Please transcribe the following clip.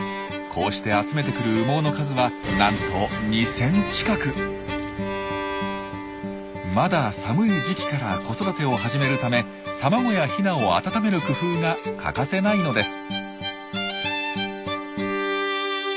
こうして集めてくる羽毛の数はなんとまだ寒い時期から子育てを始めるため卵やヒナを温める工夫が欠かせないのです。